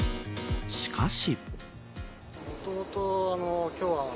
しかし。